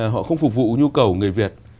họ không phục vụ nhu cầu người việt